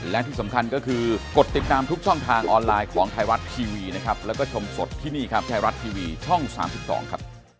และที่สำคัญก็คือกดติดตามทุกช่องทางออนไลน์ของไทยรัฐทีวีนะครับแล้วก็ชมสดที่นี่ครับไทยรัฐทีวีช่อง๓๒ครับ